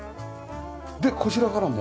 でこちらからも。